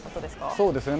そうですね。